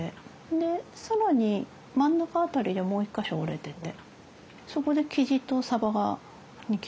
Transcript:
で更に真ん中辺りでもう一か所折れててそこでキジとサバに切り替わるんです。